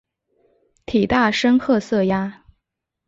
体大深褐色鸭。